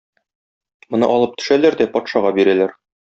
Моны алып төшәләр дә патшага бирәләр.